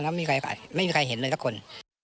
พอเข้าไปในบ้านแล้วไม่มีใครเห็นเลยละคน